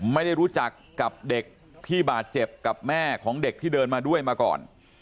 ไม่ได้รู้จักกับเด็กที่บาดเจ็บกับแม่ของเด็กที่เดินมาด้วยมาก่อน